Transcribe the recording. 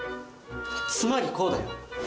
つまりこうだよ。